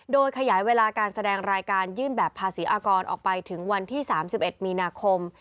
โดยขยายเวลาการแสดงรายการยื่นแบบภาษีอากรออกไปถึงวันที่๓๑มีนาคม